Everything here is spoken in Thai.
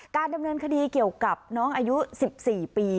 การดำเนินคดีเกี่ยวกับน้องอายุ๑๔ปี